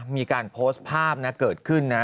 มีการโพสต์ภาพนะเกิดขึ้นนะ